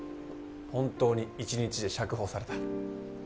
本当に１日で釈放された。